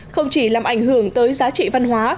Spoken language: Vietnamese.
không chỉ làm ảnh hưởng tới giá trị văn hóa